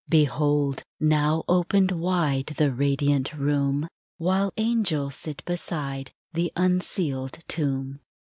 R Behold! now opened wide The radiant room, While angels sit beside The unsealed tomb.